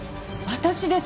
私です！